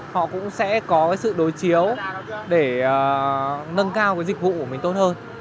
họ cũng sẽ có sự đối chiếu để nâng cao dịch vụ của mình tốt hơn